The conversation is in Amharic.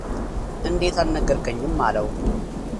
እንዴት አልነገርከኝም አለው፡፡